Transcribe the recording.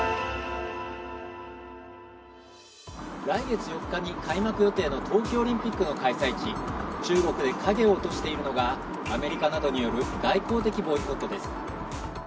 来月４日に開幕予定の冬季オリンピックの開催地、中国で影を落としているのがアメリカなどによる外交的ボイコットです。